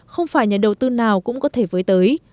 không phải nhà đầu tư nào cũng có thể với tới